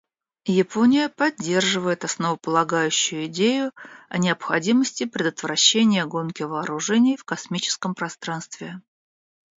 Япония поддерживает основополагающую идею о необходимости предотвращения гонки вооружений в космическом пространстве.